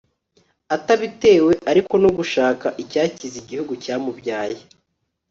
atabitewe ariko no gushaka icyakiza igihugu cyamubyaye